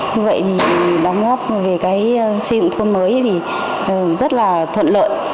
như vậy thì đóng góp về cái xây dựng thôn mới thì rất là thuận lợi